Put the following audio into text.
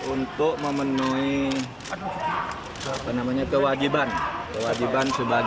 untuk memenuhi kewajiban sebagai pejabat negara